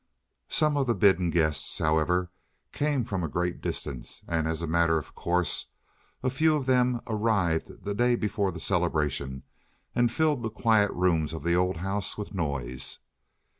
Some of the bidden guests, however, came from a great distance, and as a matter of course a few of them arrived the day before the celebration and filled the quiet rooms of the old house with noise.